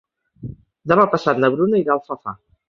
Demà passat na Bruna irà a Alfafar.